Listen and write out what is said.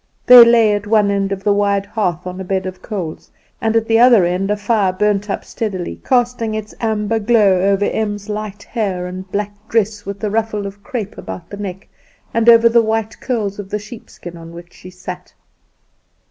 They lay at one end of the wide hearth on a bed of coals, and at the other end a fire burnt up steadily, casting its amber glow over Em's light hair and black dress, with the ruffle of crepe about the neck, and over the white curls of the sheepskin on which she sat.